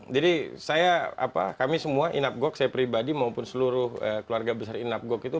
jadi kami semua inapgog saya pribadi maupun seluruh keluarga besar inapgog itu